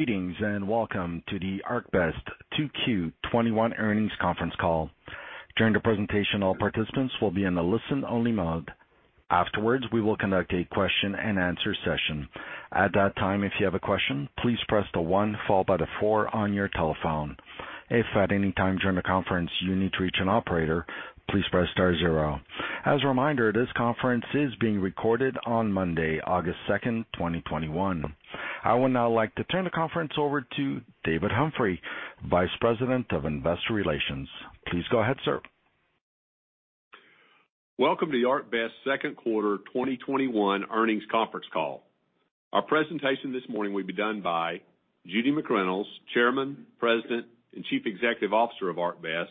Greetings, and welcome to the ArcBest 2Q 2021 earnings conference call. During the presentation, all participants will be in a listen-only mode. Afterwards, we will conduct a question-and-answer session. At that time, if you have a question, please press the one followed by the four on your telephone. If at any time during the conference you need to reach an operator, please press star zero. As a reminder, this conference is being recorded on Monday, August 2, 2021. I would now like to turn the conference over to David Humphrey, Vice President of Investor Relations. Please go ahead, sir. Welcome to the ArcBest second quarter 2021 earnings conference call. Our presentation this morning will be done by Judy McReynolds, Chairman, President, and Chief Executive Officer of ArcBest,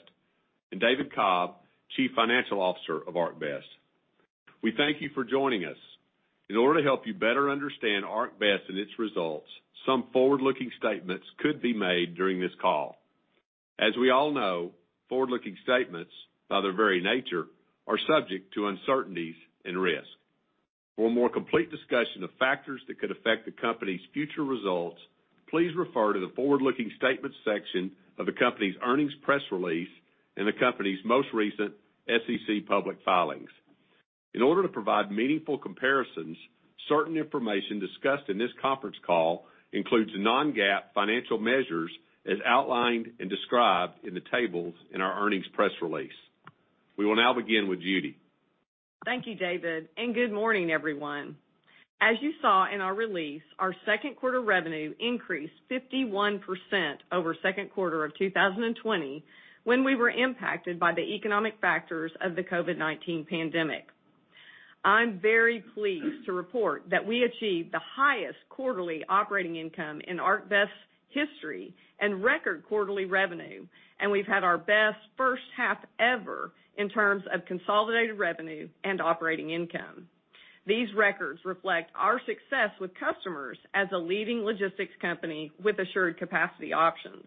and David Cobb, Chief Financial Officer of ArcBest. We thank you for joining us. In order to help you better understand ArcBest and its results, some forward-looking statements could be made during this call. As we all know, forward-looking statements, by their very nature, are subject to uncertainties and risk. For a more complete discussion of factors that could affect the company's future results, please refer to the Forward-Looking Statements section of the company's earnings press release and the company's most recent SEC public filings. In order to provide meaningful comparisons, certain information discussed in this conference call includes non-GAAP financial measures, as outlined and described in the tables in our earnings press release. We will now begin with Judy. Thank you, David, and good morning, everyone. As you saw in our release, our second quarter revenue increased 51% over second quarter of 2020, when we were impacted by the economic factors of the COVID-19 pandemic. I'm very pleased to report that we achieved the highest quarterly operating income in ArcBest's history and record quarterly revenue, and we've had our best first half ever in terms of consolidated revenue and operating income. These records reflect our success with customers as a leading logistics company with assured capacity options.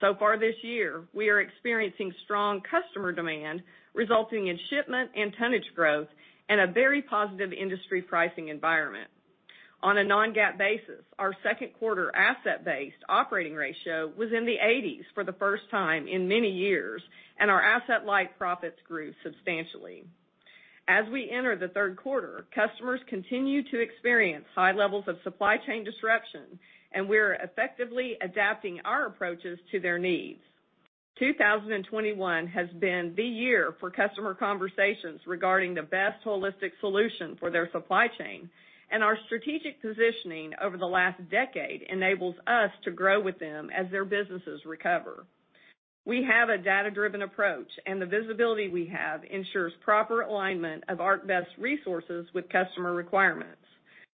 So far this year, we are experiencing strong customer demand, resulting in shipment and tonnage growth and a very positive industry pricing environment. On a non-GAAP basis, our second quarter asset-based operating ratio was in the 80s for the first time in many years, and our asset-light profits grew substantially. As we enter the third quarter, customers continue to experience high levels of supply chain disruption, and we are effectively adapting our approaches to their needs. 2021 has been the year for customer conversations regarding the best holistic solution for their supply chain, and our strategic positioning over the last decade enables us to grow with them as their businesses recover. We have a data-driven approach, and the visibility we have ensures proper alignment of ArcBest resources with customer requirements.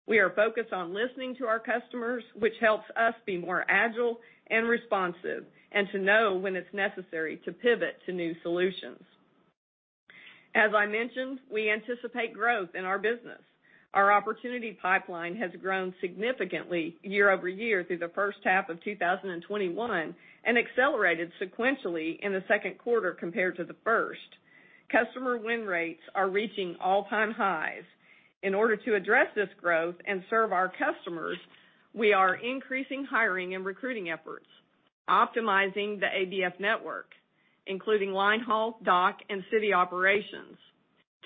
We are focused on listening to our customers, which helps us be more agile and responsive, and to know when it's necessary to pivot to new solutions. As I mentioned, we anticipate growth in our business. Our opportunity pipeline has grown significantly year-over-year through the first half of 2021, and accelerated sequentially in the second quarter compared to the first. Customer win rates are reaching all-time highs. In order to address this growth and serve our customers, we are increasing hiring and recruiting efforts, optimizing the ABF network, including line haul, dock, and city operations,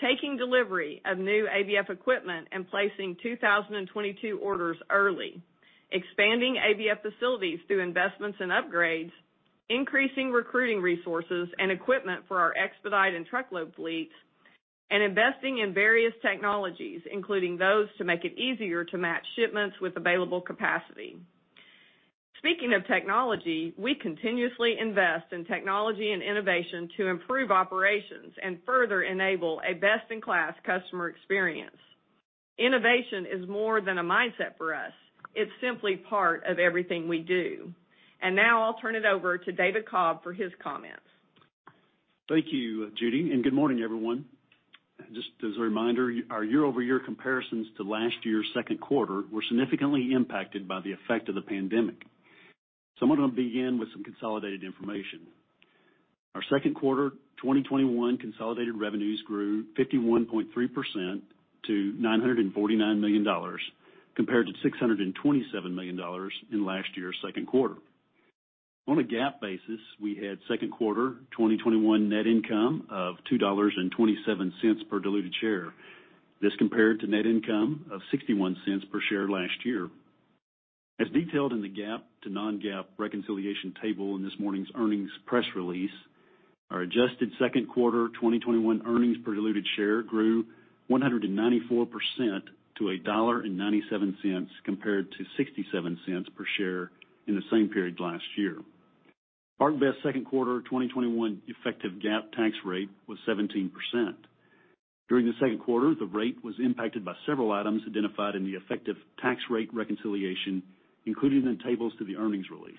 taking delivery of new ABF equipment and placing 2022 orders early, expanding ABF facilities through investments and upgrades, increasing recruiting resources and equipment for our expedite and truckload fleets, and investing in various technologies, including those to make it easier to match shipments with available capacity. Speaking of technology, we continuously invest in technology and innovation to improve operations and further enable a best-in-class customer experience. Innovation is more than a mindset for us. It's simply part of everything we do. Now I'll turn it over to David Cobb for his comments. Thank you, Judy, and good morning, everyone. Just as a reminder, our year-over-year comparisons to last year's second quarter were significantly impacted by the effect of the pandemic. So I'm going to begin with some consolidated information. Our second quarter 2021 consolidated revenues grew 51.3% to $949 million, compared to $627 million in last year's second quarter. On a GAAP basis, we had second quarter 2021 net income of $2.27 per diluted share. This compared to net income of $0.61 per share last year. As detailed in the GAAP to non-GAAP reconciliation table in this morning's earnings press release, our adjusted second quarter 2021 earnings per diluted share grew 194% to $1.97, compared to $0.67 per share in the same period last year. ArcBest's second quarter 2021 effective GAAP tax rate was 17%. During the second quarter, the rate was impacted by several items identified in the effective tax rate reconciliation, including the tables to the earnings release.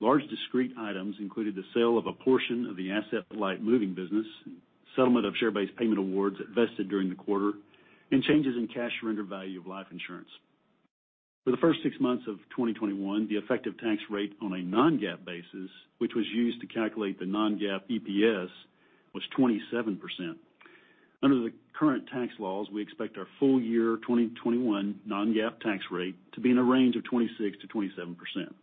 Large discrete items included the sale of a portion of the asset-light moving business, settlement of share-based payment awards vested during the quarter, and changes in cash surrender value of life insurance. For the first six months of 2021, the effective tax rate on a non-GAAP basis, which was used to calculate the non-GAAP EPS, was 27%.... Under the current tax laws, we expect our full year 2021 non-GAAP tax rate to be in a range of 26%-27%. Of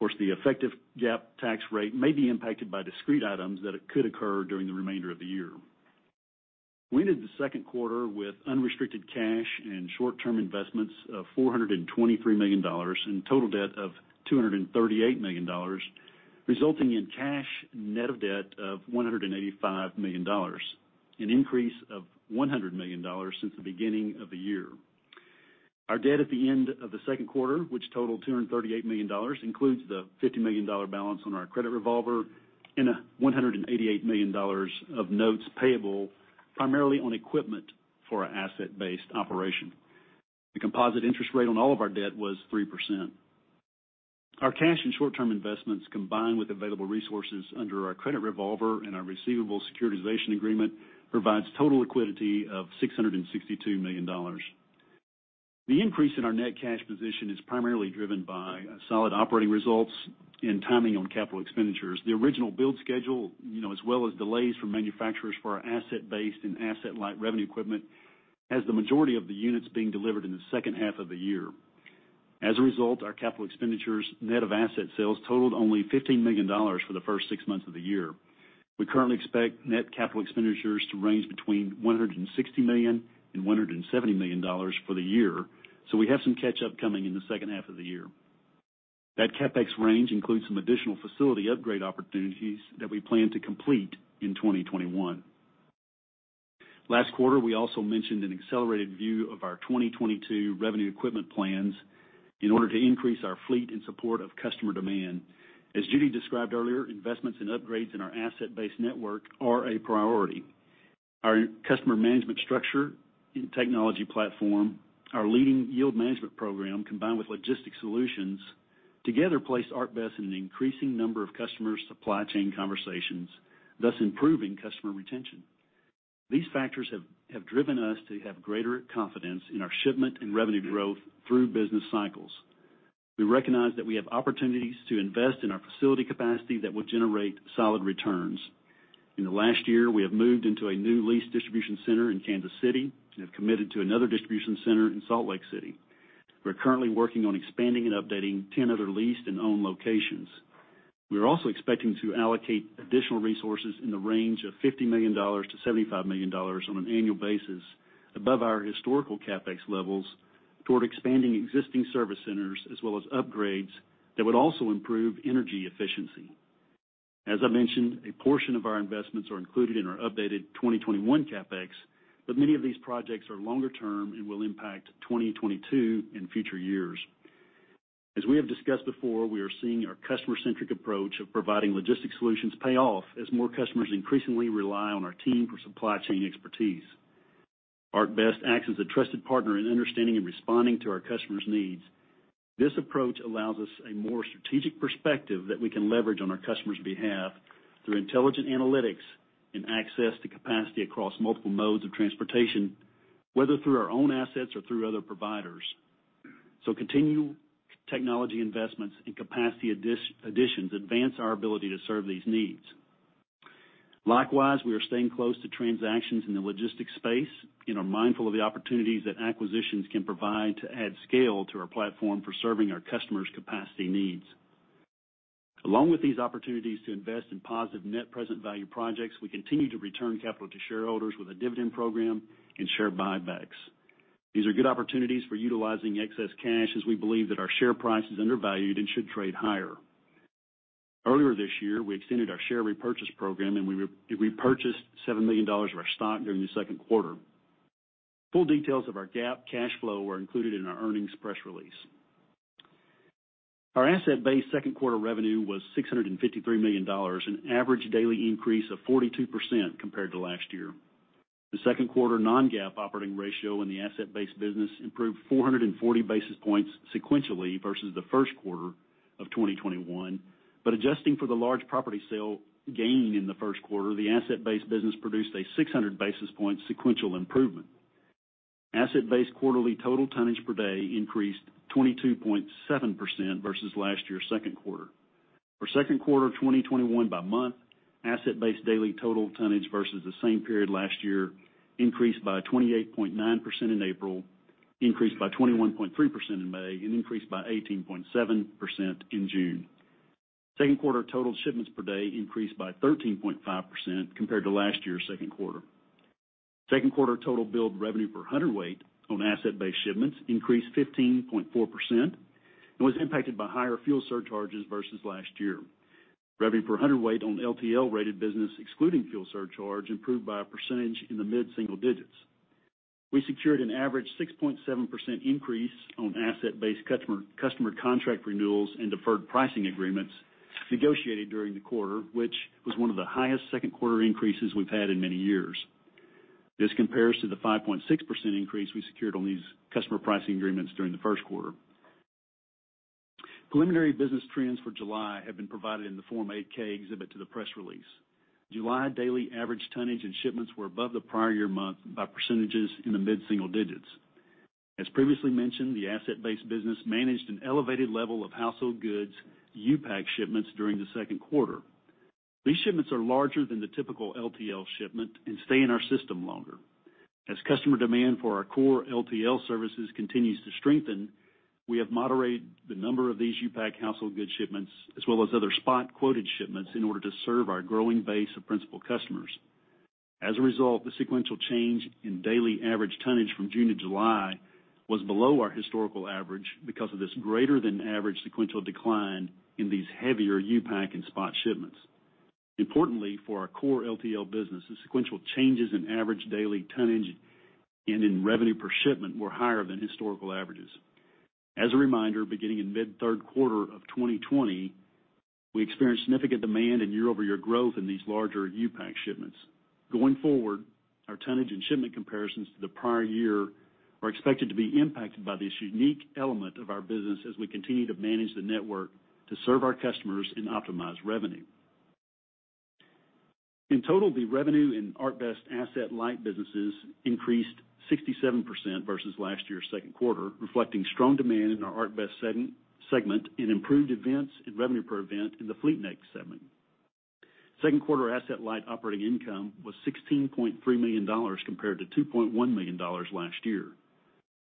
course, the effective GAAP tax rate may be impacted by discrete items that could occur during the remainder of the year. We ended the second quarter with unrestricted cash and short-term investments of $423 million, and total debt of $238 million, resulting in cash net of debt of $185 million, an increase of $100 million since the beginning of the year. Our debt at the end of the second quarter, which totaled $238 million, includes the $50 million balance on our credit revolver and $188 million of notes payable, primarily on equipment for our asset-based operation. The composite interest rate on all of our debt was 3%. Our cash and short-term investments, combined with available resources under our credit revolver and our receivable securitization agreement, provides total liquidity of $662 million. The increase in our net cash position is primarily driven by solid operating results and timing on capital expenditures. The original build schedule, you know, as well as delays from manufacturers for our asset-based and asset-light revenue equipment, has the majority of the units being delivered in the second half of the year. As a result, our capital expenditures, net of asset sales, totaled only $15 million for the first six months of the year. We currently expect net capital expenditures to range between $160 million and $170 million for the year, so we have some catch-up coming in the second half of the year. That CapEx range includes some additional facility upgrade opportunities that we plan to complete in 2021. Last quarter, we also mentioned an accelerated view of our 2022 revenue equipment plans in order to increase our fleet in support of customer demand. As Judy described earlier, investments and upgrades in our asset-based network are a priority. Our customer management structure and technology platform, our leading yield management program, combined with logistic solutions, together place ArcBest in an increasing number of customer supply chain conversations, thus improving customer retention. These factors have driven us to have greater confidence in our shipment and revenue growth through business cycles. We recognize that we have opportunities to invest in our facility capacity that will generate solid returns. In the last year, we have moved into a new leased distribution center in Kansas City and have committed to another distribution center in Salt Lake City. We're currently working on expanding and updating 10 other leased and owned locations. We are also expecting to allocate additional resources in the range of $50 million-$75 million on an annual basis above our historical CapEx levels, toward expanding existing service centers, as well as upgrades that would also improve energy efficiency. As I mentioned, a portion of our investments are included in our updated 2021 CapEx, but many of these projects are longer term and will impact 2022 and future years. As we have discussed before, we are seeing our customer-centric approach of providing logistics solutions pay off, as more customers increasingly rely on our team for supply chain expertise. ArcBest acts as a trusted partner in understanding and responding to our customers' needs. This approach allows us a more strategic perspective that we can leverage on our customers' behalf through intelligent analytics and access to capacity across multiple modes of transportation, whether through our own assets or through other providers. So continued technology investments and capacity additions advance our ability to serve these needs. Likewise, we are staying close to transactions in the logistics space and are mindful of the opportunities that acquisitions can provide to add scale to our platform for serving our customers' capacity needs. Along with these opportunities to invest in positive net present value projects, we continue to return capital to shareholders with a dividend program and share buybacks. These are good opportunities for utilizing excess cash, as we believe that our share price is undervalued and should trade higher. Earlier this year, we extended our share repurchase program, and we repurchased $7 million of our stock during the second quarter. Full details of our GAAP cash flow were included in our earnings press release. Our asset-based second quarter revenue was $653 million, an average daily increase of 42% compared to last year. The second quarter non-GAAP operating ratio in the asset-based business improved 440 basis points sequentially versus the first quarter of 2021. Adjusting for the large property sale gain in the first quarter, the asset-based business produced a 600 basis point sequential improvement. Asset-based quarterly total tonnage per day increased 22.7% versus last year's second quarter. For second quarter 2021 by month, asset-based daily total tonnage versus the same period last year increased by 28.9% in April, increased by 21.3% in May, and increased by 18.7% in June. Second quarter total shipments per day increased by 13.5% compared to last year's second quarter. Second quarter total billed revenue per hundredweight on asset-based shipments increased 15.4% and was impacted by higher fuel surcharges versus last year. Revenue per hundredweight on LTL-rated business, excluding fuel surcharge, improved by a percentage in the mid-single digits. We secured an average 6.7% increase on asset-based customer, customer contract renewals and deferred pricing agreements negotiated during the quarter, which was one of the highest second quarter increases we've had in many years. This compares to the 5.6% increase we secured on these customer pricing agreements during the first quarter. Preliminary business trends for July have been provided in the Form 8-K exhibit to the press release. July daily average tonnage and shipments were above the prior year month by percentages in the mid-single digits. As previously mentioned, the asset-based business managed an elevated level of household goods U-Pack shipments during the second quarter. These shipments are larger than the typical LTL shipment and stay in our system longer. As customer demand for our core LTL services continues to strengthen, we have moderated the number of these U-Pack household goods shipments, as well as other spot quoted shipments, in order to serve our growing base of principal customers. As a result, the sequential change in daily average tonnage from June to July was below our historical average because of this greater than average sequential decline in these heavier U-Pack and spot shipments. Importantly, for our core LTL business, the sequential changes in average daily tonnage and in revenue per shipment were higher than historical averages. As a reminder, beginning in mid third quarter of 2020, we experienced significant demand and year-over-year growth in these larger U-Pack shipments. Going forward, our tonnage and shipment comparisons to the prior year are expected to be impacted by this unique element of our business as we continue to manage the network to serve our customers and optimize revenue. In total, the revenue in ArcBest Asset-Light businesses increased 67% versus last year's second quarter, reflecting strong demand in our ArcBest segment and improved events and revenue per event in the FleetNet segment. Second quarter Asset-Light operating income was $16.3 million, compared to $2.1 million last year.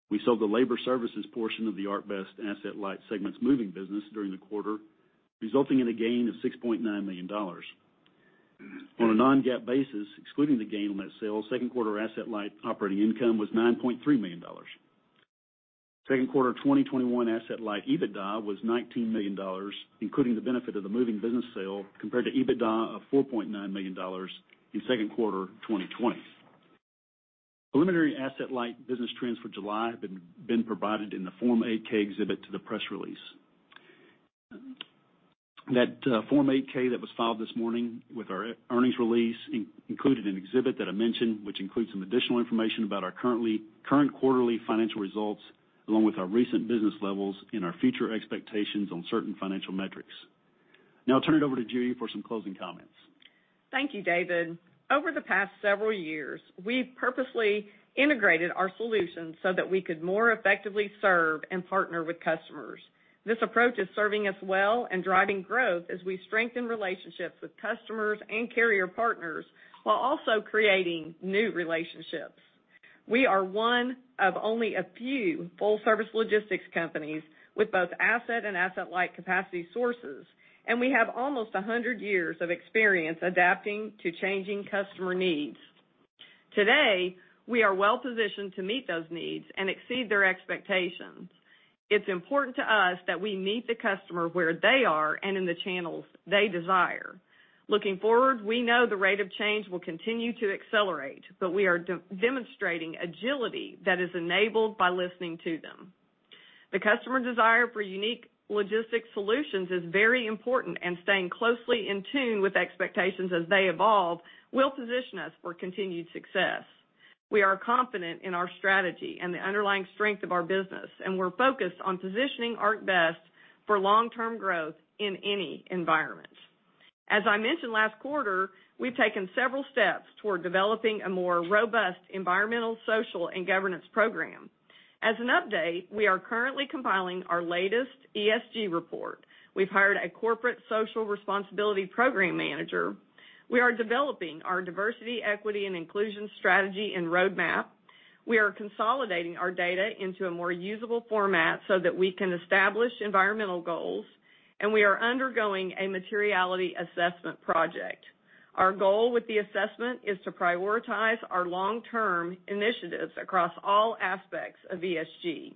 We sold the labor services portion of the ArcBest Asset-Light segment's moving business during the quarter, resulting in a gain of $6.9 million. On a non-GAAP basis, excluding the gain on that sale, second quarter Asset-Light operating income was $9.3 million. Second quarter 2021 Asset-Light EBITDA was $19 million, including the benefit of the moving business sale, compared to EBITDA of $4.9 million in second quarter 2020. Preliminary Asset-Light business trends for July have been provided in the Form 8-K exhibit to the press release. That Form 8-K that was filed this morning with our earnings release included an exhibit that I mentioned, which includes some additional information about our current quarterly financial results, along with our recent business levels and our future expectations on certain financial metrics. Now I'll turn it over to Judy for some closing comments. Thank you, David. Over the past several years, we've purposely integrated our solutions so that we could more effectively serve and partner with customers. This approach is serving us well and driving growth as we strengthen relationships with customers and carrier partners, while also creating new relationships. We are one of only a few full-service logistics companies with both asset and asset-light capacity sources, and we have almost 100 years of experience adapting to changing customer needs. Today, we are well positioned to meet those needs and exceed their expectations. It's important to us that we meet the customer where they are and in the channels they desire. Looking forward, we know the rate of change will continue to accelerate, but we are demonstrating agility that is enabled by listening to them. The customer desire for unique logistics solutions is very important, and staying closely in tune with expectations as they evolve will position us for continued success. We are confident in our strategy and the underlying strength of our business, and we're focused on positioning ArcBest for long-term growth in any environment. As I mentioned last quarter, we've taken several steps toward developing a more robust environmental, social, and governance program. As an update, we are currently compiling our latest ESG report. We've hired a corporate social responsibility program manager. We are developing our diversity, equity, and inclusion strategy and roadmap. We are consolidating our data into a more usable format so that we can establish environmental goals, and we are undergoing a materiality assessment project. Our goal with the assessment is to prioritize our long-term initiatives across all aspects of ESG.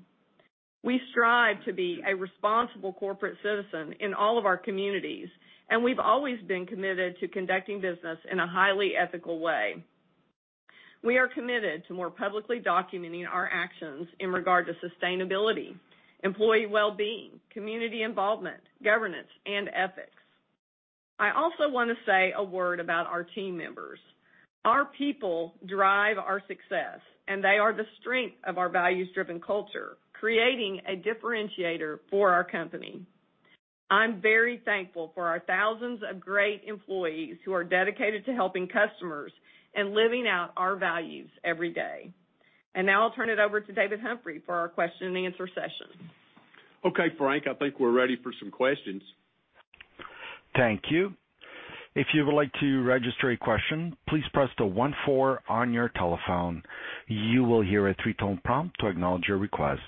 We strive to be a responsible corporate citizen in all of our communities, and we've always been committed to conducting business in a highly ethical way. We are committed to more publicly documenting our actions in regard to sustainability, employee well-being, community involvement, governance, and ethics. I also want to say a word about our team members. Our people drive our success, and they are the strength of our values-driven culture, creating a differentiator for our company. I'm very thankful for our thousands of great employees who are dedicated to helping customers and living out our values every day. And now I'll turn it over to David Humphrey for our question and answer session. Okay, Frank, I think we're ready for some questions. Thank you. If you would like to register a question, please press the one four on your telephone. You will hear a three-tone prompt to acknowledge your request.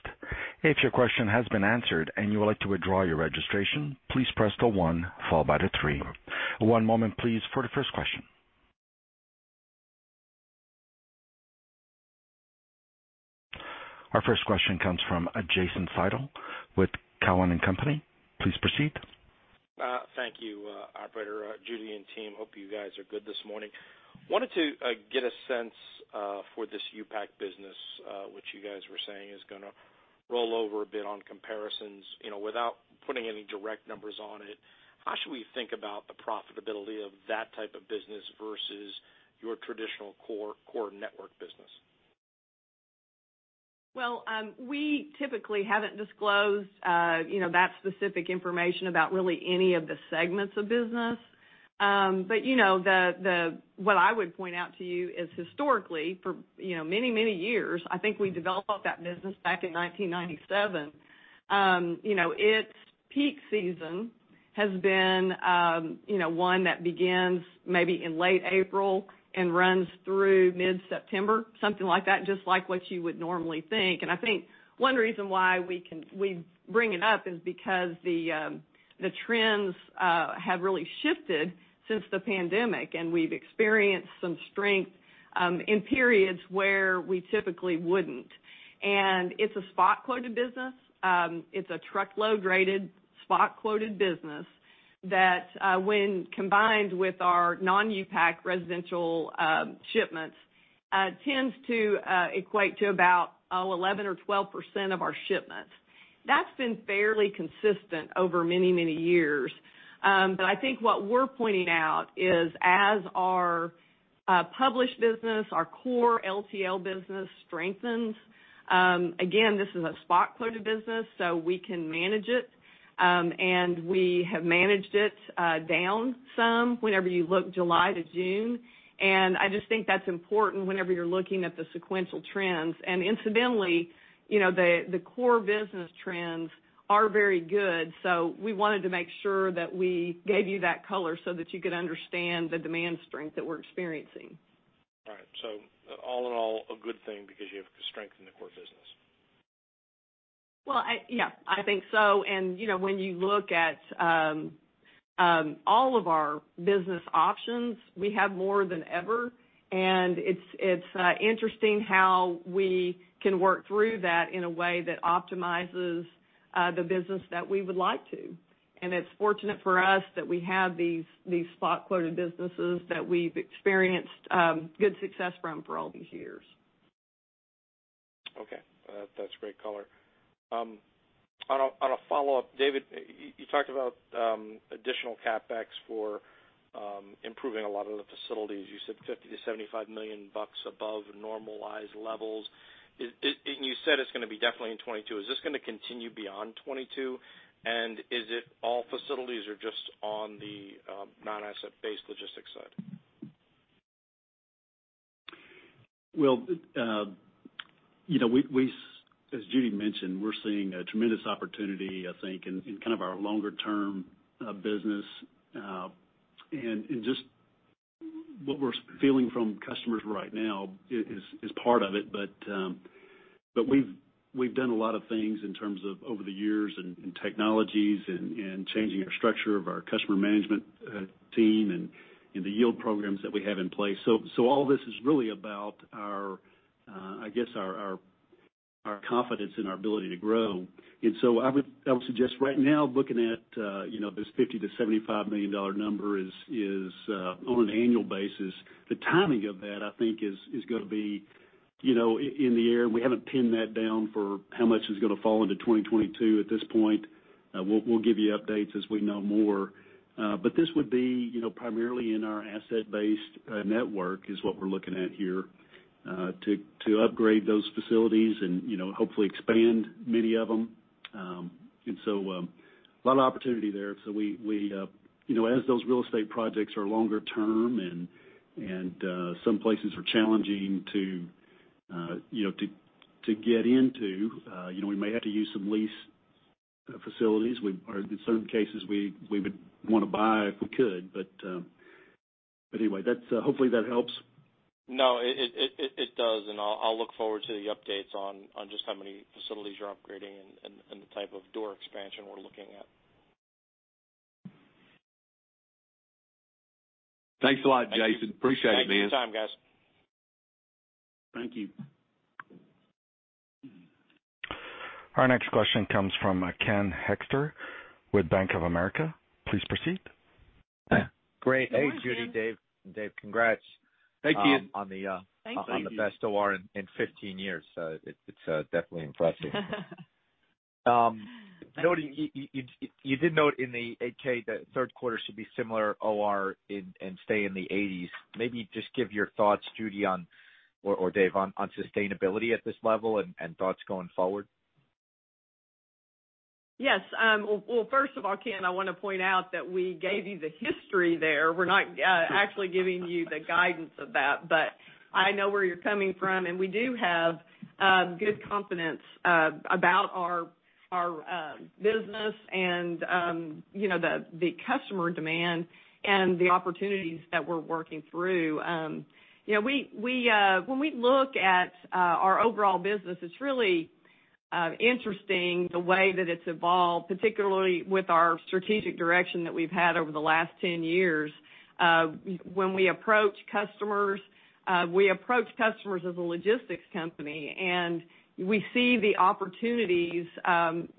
If your question has been answered and you would like to withdraw your registration, please press the one followed by the three. One moment, please, for the first question. Our first question comes from Jason Seidl with Cowen and Company. Please proceed. Thank you, operator. Judy and team, hope you guys are good this morning. Wanted to get a sense for this U-Pack business, which you guys were saying is gonna roll over a bit on comparisons. You know, without putting any direct numbers on it, how should we think about the profitability of that type of business versus your traditional core, core network business? Well, we typically haven't disclosed, you know, that specific information about really any of the segments of business. But, you know, what I would point out to you is historically, for, you know, many, many years, I think we developed that business back in 1997. You know, its peak season has been, you know, one that begins maybe in late April and runs through mid-September, something like that, just like what you would normally think. And I think one reason why we can-- we bring it up is because the trends have really shifted since the pandemic, and we've experienced some strength in periods where we typically wouldn't. And it's a spot-quoted business. It's a truckload-graded, spot-quoted business that, when combined with our non-U-Pack residential shipments, tends to equate to about 11 or 12% of our shipments. That's been fairly consistent over many, many years. But I think what we're pointing out is as our published business, our core LTL business strengthens, again, this is a spot-quoted business, so we can manage it. And we have managed it down some whenever you look July to June. And I just think that's important whenever you're looking at the sequential trends. And incidentally, you know, the core business trends are very good, so we wanted to make sure that we gave you that color so that you could understand the demand strength that we're experiencing. All right. All in all, a good thing because you have strength in the core business. Well, yeah, I think so. And, you know, when you look at all of our business options, we have more than ever, and it's interesting how we can work through that in a way that optimizes the business that we would like to. And it's fortunate for us that we have these spot-quoted businesses that we've experienced good success from for all these years. Okay. That's great color. On a follow-up, David, you talked about additional CapEx for improving a lot of the facilities. You said $50 million-$75 million above normalized levels. And you said it's gonna be definitely in 2022. Is this gonna continue beyond 2022? And is it all facilities or just on the non-asset-based logistics side? Well, you know, as Judy mentioned, we're seeing a tremendous opportunity, I think, in kind of our longer-term business. And just what we're feeling from customers right now is part of it. But we've done a lot of things in terms of over the years and technologies and changing our structure of our customer management team and the yield programs that we have in place. So all this is really about our, I guess, our confidence in our ability to grow. And so I would suggest right now, looking at, you know, this $50 million-$75 million number is on an annual basis. The timing of that, I think, is gonna be, you know, in the air. We haven't pinned that down for how much is gonna fall into 2022 at this point. We'll, we'll give you updates as we know more. But this would be, you know, primarily in our Asset-Based, network, is what we're looking at here, to, to upgrade those facilities and, you know, hopefully expand many of them. And so, a lot of opportunity there. So we, we, you know, as those real estate projects are longer term and, and, some places are challenging to, you know, to, to get into, you know, we may have to use some leased facilities. We-- or in certain cases, we, we would want to buy if we could. But, but anyway, that's-- hopefully, that helps. No, it does, and I'll look forward to the updates on just how many facilities you're upgrading and the type of door expansion we're looking at. Thanks a lot, Jason. Appreciate it, man. Thank you for your time, guys. Thank you. Our next question comes from Ken Hoexter with Bank of America. Please proceed. Great. Hey, Judy, Dave. Dave, congrats- Thank you. on the Thanks, Ken... on the best OR in 15 years. So it's definitely impressive. Noting, you did note in the 8-K that third quarter should be similar OR and stay in the eighties. Maybe just give your thoughts, Judy, or Dave, on sustainability at this level and thoughts going forward. Yes, well, first of all, Ken, I want to point out that we gave you the history there. We're not actually giving you the guidance of that, but I know where you're coming from, and we do have good confidence about our business and you know the customer demand and the opportunities that we're working through. You know, when we look at our overall business, it's really interesting the way that it's evolved, particularly with our strategic direction that we've had over the last 10 years. When we approach customers, we approach customers as a logistics company, and we see the opportunities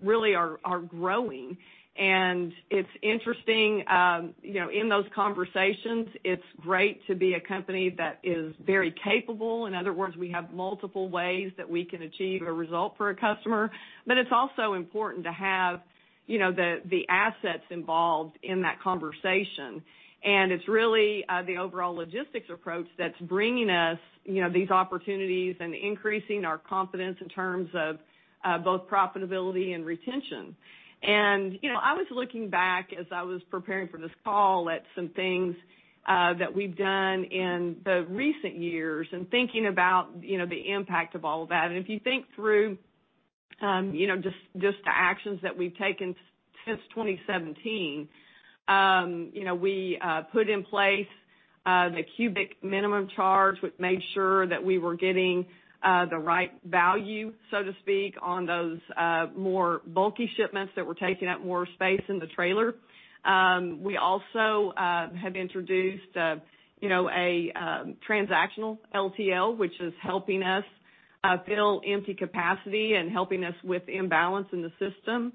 really are growing. And it's interesting, you know, in those conversations, it's great to be a company that is very capable. In other words, we have multiple ways that we can achieve a result for a customer, but it's also important to have, you know, the assets involved in that conversation. And it's really, the overall logistics approach that's bringing us, you know, these opportunities and increasing our confidence in terms of, both profitability and retention. And, you know, I was looking back as I was preparing for this call, at some things, that we've done in the recent years and thinking about, you know, the impact of all of that. If you think through, you know, just, just the actions that we've taken since 2017, you know, we put in place the Cubic Minimum Charge, which made sure that we were getting the right value, so to speak, on those more bulky shipments that were taking up more space in the trailer. We also have introduced, you know, a Transactional LTL, which is helping us fill empty capacity and helping us with imbalance in the system.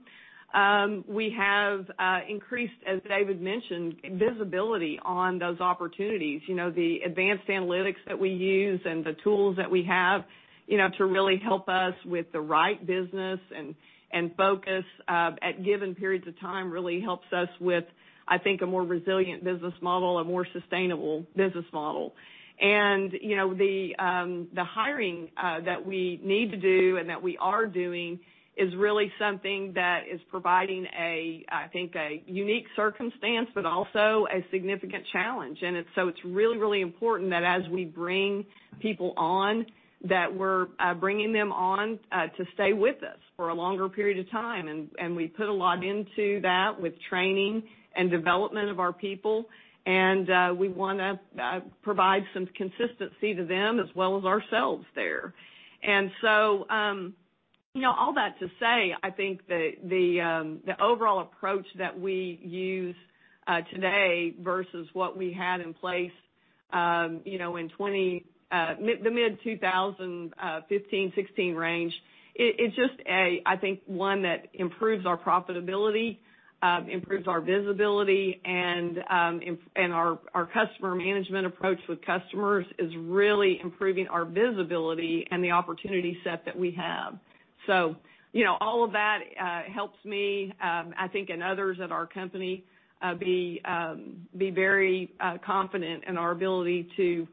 We have increased, as David mentioned, visibility on those opportunities. You know, the advanced analytics that we use and the tools that we have, you know, to really help us with the right business and, and focus at given periods of time, really helps us with, I think, a more resilient business model, a more sustainable business model. You know, the hiring that we need to do and that we are doing is really something that is providing, I think, a unique circumstance, but also a significant challenge. So it's really, really important that as we bring people on, that we're bringing them on to stay with us for a longer period of time. And we put a lot into that with training and development of our people, and we wanna provide some consistency to them as well as ourselves there. You know, all that to say, I think the overall approach that we use today versus what we had in place, you know, in the mid-2015-2016 range, it's just one that improves our profitability, improves our visibility, and our customer management approach with customers is really improving our visibility and the opportunity set that we have. So, you know, all of that helps me, I think and others at our company, be very confident in our ability to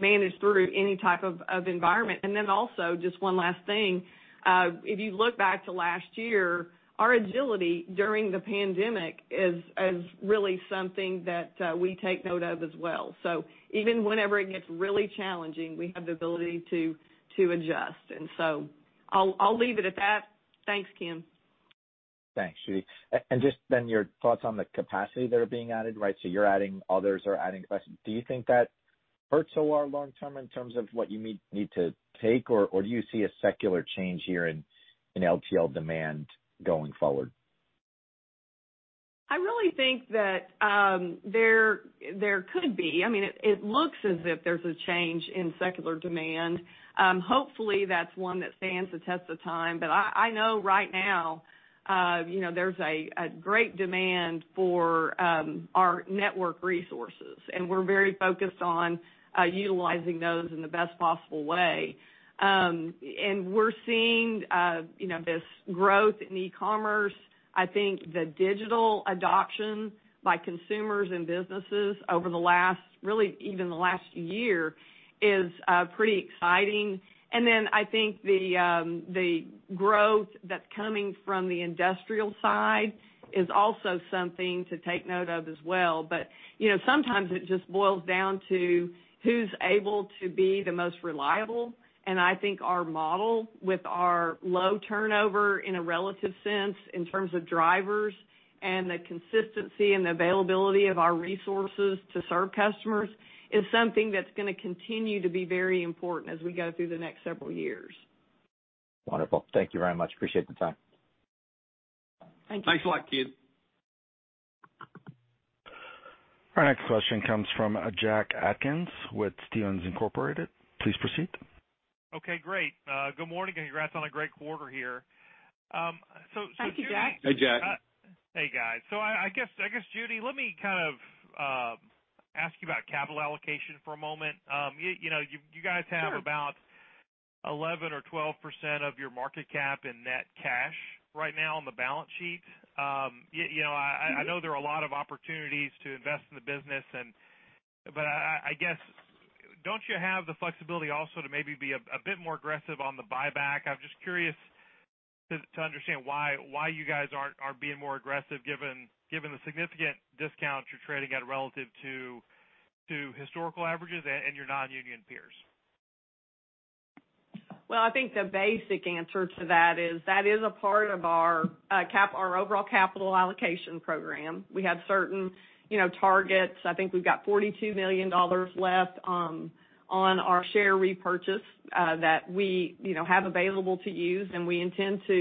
manage through any type of environment. And then also, just one last thing, if you look back to last year, our agility during the pandemic is really something that we take note of as well. So even whenever it gets really challenging, we have the ability to, to adjust. And so I'll, I'll leave it at that. Thanks, Ken. Thanks, Judy. Just then, your thoughts on the capacity that are being added, right? So you're adding, others are adding capacity. Do you think that hurts OR long term in terms of what you need to take, or do you see a secular change here in LTL demand going forward? I really think that there could be. I mean, it looks as if there's a change in secular demand. Hopefully, that's one that stands the test of time. But I know right now, you know, there's a great demand for our network resources, and we're very focused on utilizing those in the best possible way. And we're seeing, you know, this growth in e-commerce. I think the digital adoption by consumers and businesses over the last, really even the last year, is pretty exciting. And then I think the growth that's coming from the industrial side is also something to take note of as well. But, you know, sometimes it just boils down to who's able to be the most reliable, and I think our model, with our low turnover in a relative sense, in terms of drivers and the consistency and availability of our resources to serve customers, is something that's gonna continue to be very important as we go through the next several years. Wonderful. Thank you very much. Appreciate the time. Thank you. Thanks a lot, Ken. Our next question comes from Jack Atkins with Stephens Inc. Please proceed. Okay, great. Good morning, and congrats on a great quarter here. Thank you, Jack. Hey, Jack. Hey, guys. So I guess Judy, let me kind of ask you about capital allocation for a moment. You know, you guys have- Sure... about 11% or 12% of your market cap in net cash right now on the balance sheet. You know, I know there are a lot of opportunities to invest in the business and but I guess, don't you have the flexibility also to maybe be a bit more aggressive on the buyback? I'm just curious to understand why you guys aren't being more aggressive, given the significant discounts you're trading at relative to historical averages and your non-union peers. Well, I think the basic answer to that is, that is a part of our capital allocation program. We have certain, you know, targets. I think we've got $42 million left on our share repurchase that we, you know, have available to use, and we intend to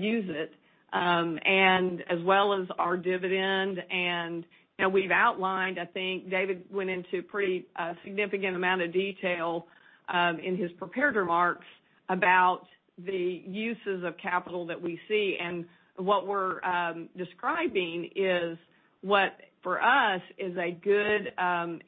use it, and as well as our dividend. And, you know, we've outlined, I think David went into pretty significant amount of detail in his prepared remarks about the uses of capital that we see. And what we're describing is what, for us, is a good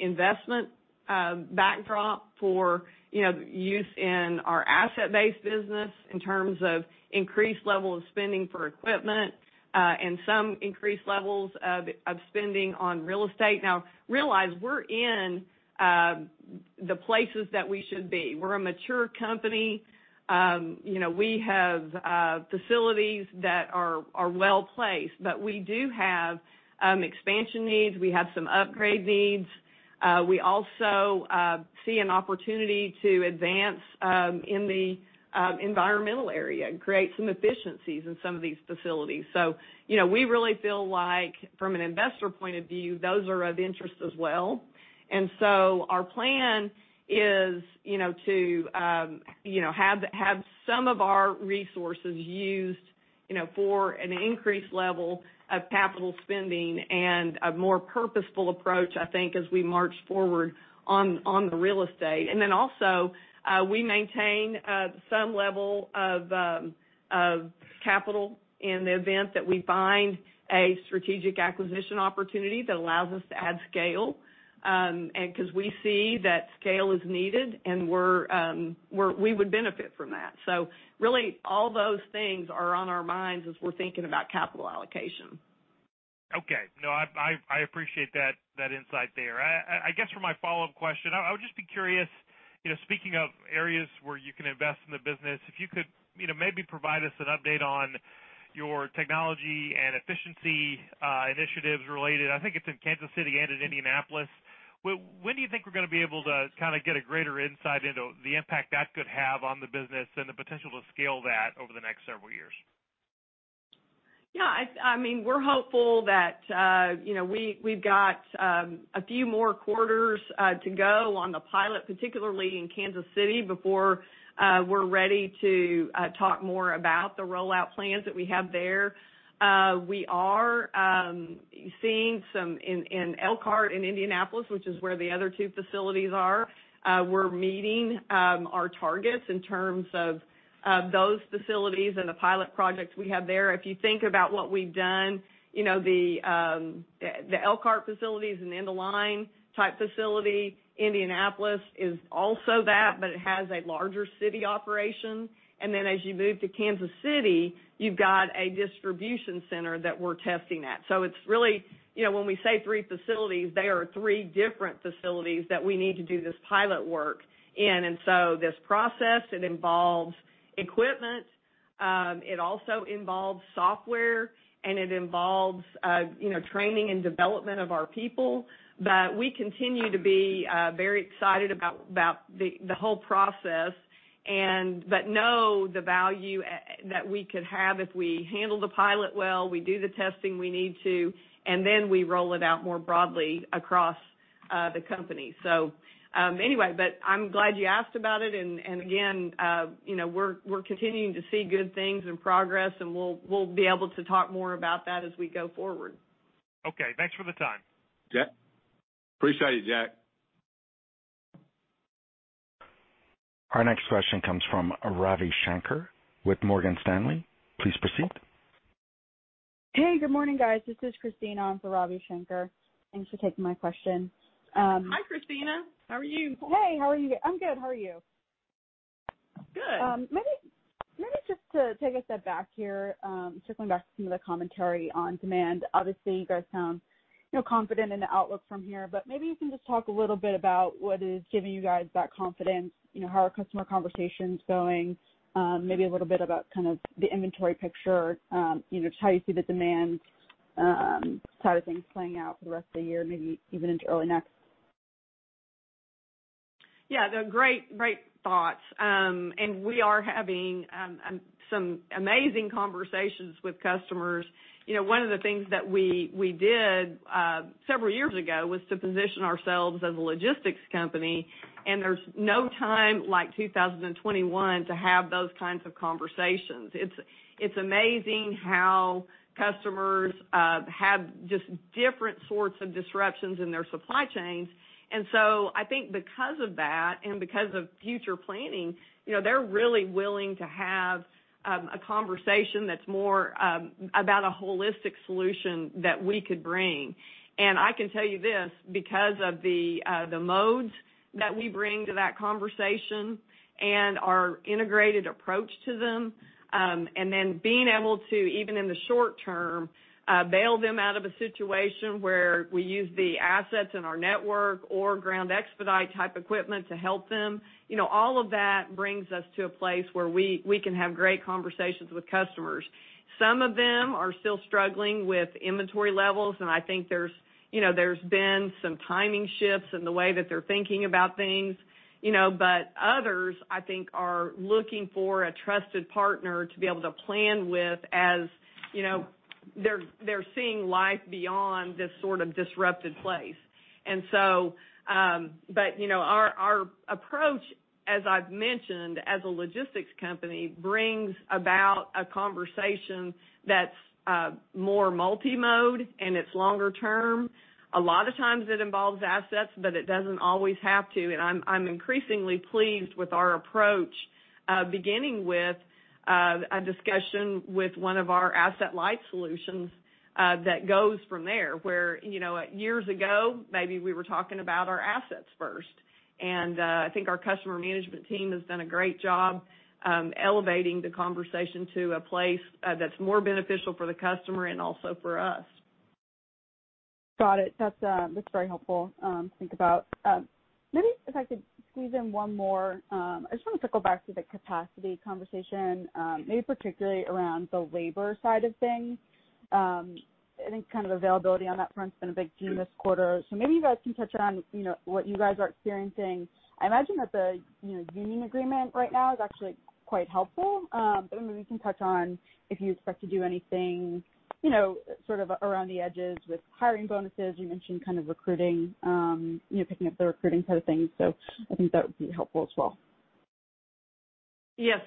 investment backdrop for, you know, use in our asset-based business in terms of increased level of spending for equipment... and some increased levels of spending on real estate. Now, realize we're in the places that we should be. We're a mature company. You know, we have facilities that are well placed, but we do have expansion needs. We have some upgrade needs. We also see an opportunity to advance in the environmental area and create some efficiencies in some of these facilities. So, you know, we really feel like from an investor point of view, those are of interest as well. And so our plan is, you know, to have some of our resources used, you know, for an increased level of capital spending and a more purposeful approach, I think, as we march forward on the real estate. And then also, we maintain some level of capital in the event that we find a strategic acquisition opportunity that allows us to add scale, and because we see that scale is needed and we would benefit from that. So really, all those things are on our minds as we're thinking about capital allocation. Okay. No, I appreciate that insight there. I guess for my follow-up question, I would just be curious, you know, speaking of areas where you can invest in the business, if you could, you know, maybe provide us an update on your technology and efficiency initiatives related. I think it's in Kansas City and in Indianapolis. When do you think we're gonna be able to kind of get a greater insight into the impact that could have on the business and the potential to scale that over the next several years? Yeah, I mean, we're hopeful that, you know, we, we've got a few more quarters to go on the pilot, particularly in Kansas City, before we're ready to talk more about the rollout plans that we have there. We are seeing some in Elkhart, in Indianapolis, which is where the other two facilities are. We're meeting our targets in terms of those facilities and the pilot projects we have there. If you think about what we've done, you know, the Elkhart facilities and end-of-line type facility, Indianapolis is also that, but it has a larger city operation. And then as you move to Kansas City, you've got a distribution center that we're testing at. So it's really, you know, when we say three facilities, they are three different facilities that we need to do this pilot work in. And so this process, it involves equipment, it also involves software, and it involves, you know, training and development of our people. But we continue to be very excited about the whole process but know the value that we could have if we handle the pilot well, we do the testing we need to, and then we roll it out more broadly across the company. So, anyway, but I'm glad you asked about it. And again, you know, we're continuing to see good things and progress, and we'll be able to talk more about that as we go forward. Okay, thanks for the time. Yeah. Appreciate it, Jack. Our next question comes from Ravi Shanker with Morgan Stanley. Please proceed. Hey, good morning, guys. This is Christina for Ravi Shanker. Thanks for taking my question. Hi, Christina. How are you? Hey, how are you? I'm good. How are you? Good. Maybe, maybe just to take a step back here, circling back to some of the commentary on demand. Obviously, you guys sound, you know, confident in the outlook from here, but maybe you can just talk a little bit about what is giving you guys that confidence. You know, how are customer conversations going? Maybe a little bit about kind of the inventory picture, you know, just how you see the demand, side of things playing out for the rest of the year, maybe even into early next. Yeah, they're great, great thoughts. We are having some amazing conversations with customers. You know, one of the things that we did several years ago was to position ourselves as a logistics company, and there's no time like 2021 to have those kinds of conversations. It's amazing how customers have just different sorts of disruptions in their supply chains. And so I think because of that and because of future planning, you know, they're really willing to have a conversation that's more about a holistic solution that we could bring. I can tell you this, because of the modes that we bring to that conversation and our integrated approach to them, and then being able to, even in the short term, bail them out of a situation where we use the assets in our network or ground expedite type equipment to help them, you know, all of that brings us to a place where we can have great conversations with customers. Some of them are still struggling with inventory levels, and I think there's, you know, there's been some timing shifts in the way that they're thinking about things, you know. But others, I think, are looking for a trusted partner to be able to plan with, as, you know, they're seeing life beyond this sort of disrupted place. And so, but, you know, our approach, as I've mentioned, as a logistics company, brings about a conversation that's more multi-mode and it's longer term. A lot of times it involves assets, but it doesn't always have to, and I'm increasingly pleased with our approach, beginning with a discussion with one of our asset light solutions, that goes from there, where, you know, years ago, maybe we were talking about our assets first. And I think our customer management team has done a great job, elevating the conversation to a place that's more beneficial for the customer and also for us. Got it. That's, that's very helpful, to think about. Maybe if I could squeeze in one more. I just wanted to go back to the capacity conversation, maybe particularly around the labor side of things. I think kind of availability on that front's been a big theme this quarter. So maybe you guys can touch on, you know, what you guys are experiencing. I imagine that the, you know, union agreement right now is actually quite helpful. But maybe you can touch on if you expect to do anything, you know, sort of around the edges with hiring bonuses. You mentioned kind of recruiting, you know, picking up the recruiting side of things. So I think that would be helpful as well. Yes,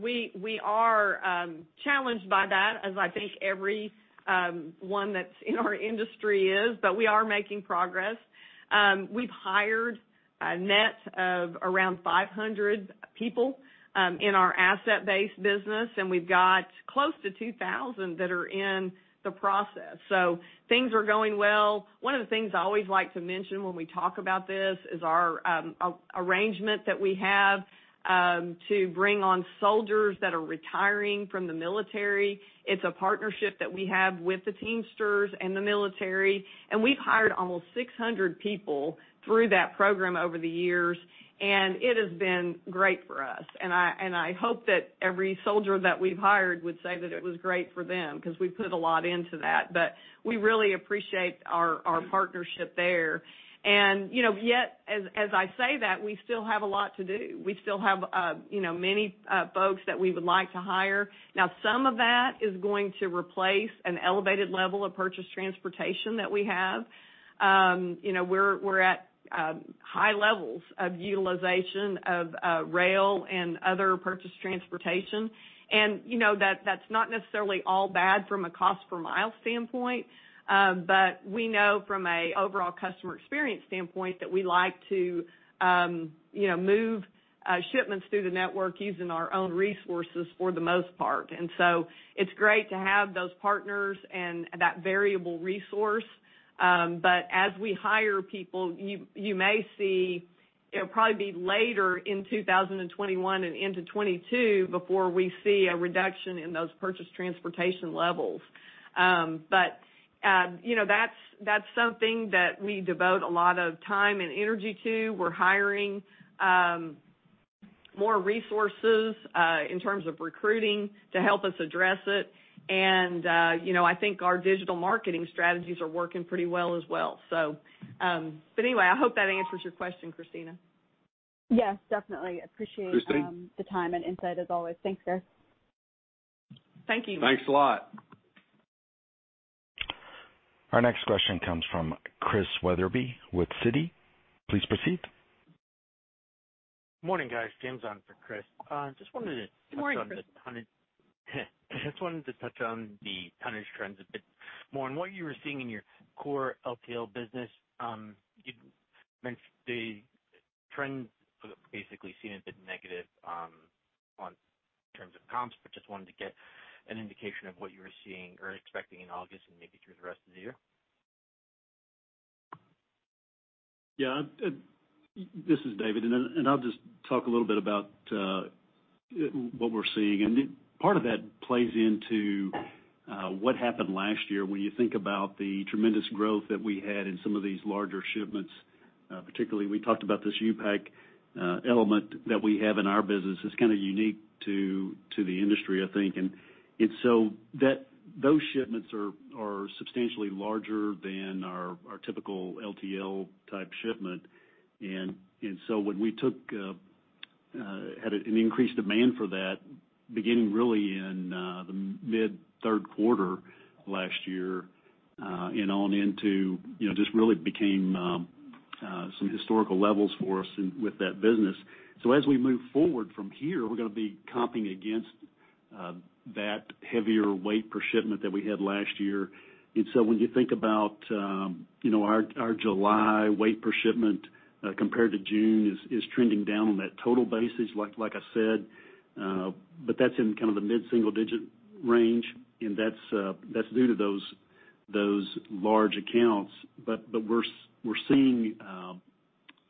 we are challenged by that, as I think everyone that's in our industry is, but we are making progress. We've hired a net of around 500 people in our asset-based business, and we've got close to 2,000 that are in the process. So things are going well. One of the things I always like to mention when we talk about this is our arrangement that we have to bring on soldiers that are retiring from the military. It's a partnership that we have with the Teamsters and the military, and we've hired almost 600 people through that program over the years, and it has been great for us. And I hope that every soldier that we've hired would say that it was great for them, 'cause we've put a lot into that. But we really appreciate our partnership there. You know, yet, as I say that, we still have a lot to do. We still have, you know, many folks that we would like to hire. Now, some of that is going to replace an elevated level of purchase transportation that we have. You know, we're at high levels of utilization of rail and other purchase transportation. And, you know, that's not necessarily all bad from a cost-per-mile standpoint, but we know from an overall customer experience standpoint that we like to, you know, move shipments through the network using our own resources for the most part. And so it's great to have those partners and that variable resource, but as we hire people, you may see... It'll probably be later in 2021 and into 2022 before we see a reduction in those Purchased Transportation levels. But you know, that's something that we devote a lot of time and energy to. We're hiring more resources in terms of recruiting to help us address it. And you know, I think our digital marketing strategies are working pretty well as well, so. But anyway, I hope that answers your question, Christina. Yes, definitely. Christina? Appreciate the time and insight, as always. Thanks, guys. Thank you. Thanks a lot. Our next question comes from Chris Wetherbee with Citi. Please proceed. Morning, guys. James on for Chris. Just wanted to- Good morning, Chris. Just wanted to touch on the tonnage trends a bit more and what you were seeing in your core LTL business. You'd mentioned the trends basically seemed a bit negative, on terms of comps, but just wanted to get an indication of what you were seeing or expecting in August and maybe through the rest of the year. Yeah, this is David, and I'll just talk a little bit about what we're seeing. And part of that plays into what happened last year when you think about the tremendous growth that we had in some of these larger shipments. Particularly, we talked about this U-Pack element that we have in our business. It's kind of unique to the industry, I think. And so those shipments are substantially larger than our typical LTL-type shipment. And so when we had an increased demand for that, beginning really in the mid-third quarter of last year, and on into, you know, just really became some historical levels for us in with that business. So as we move forward from here, we're gonna be comping against that heavier weight per shipment that we had last year. And so when you think about, you know, our July weight per shipment compared to June is trending down on that total basis, like I said, but that's in kind of the mid-single-digit range, and that's due to those large accounts. But we're seeing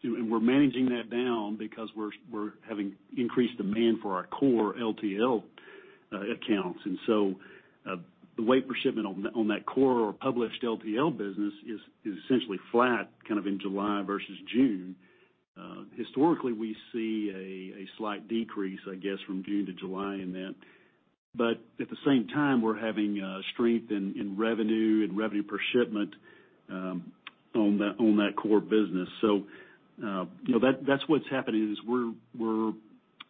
and we're managing that down because we're having increased demand for our core LTL accounts. And so the weight per shipment on that core or published LTL business is essentially flat, kind of in July versus June. Historically, we see a slight decrease, I guess, from June to July in that. But at the same time, we're having strength in revenue and revenue per shipment on that core business. So, you know, that's what's happening, is we're